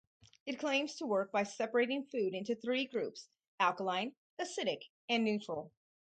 It claims to work by separating food into three groups: alkaline, acidic, and neutral.